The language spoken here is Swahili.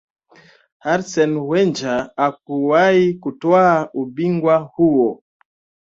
Arsene Wenger hakuwahi kutwaa ubingwa huo